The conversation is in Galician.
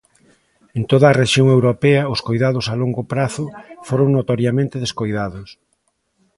En toda a rexión europea, os coidados a longo prazo foron notoriamente descoidados.